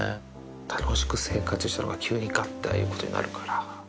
楽しく生活してたのが、がって急にああいうことになるから。